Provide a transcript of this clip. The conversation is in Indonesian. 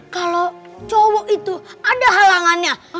kalau cowok itu ada halangannya